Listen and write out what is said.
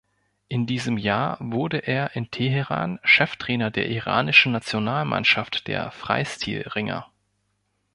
In diesem Jahr wurde er in Teheran Cheftrainer der iranischen Nationalmannschaft der Freistilringer.